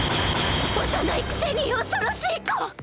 幼いくせに恐ろしい子！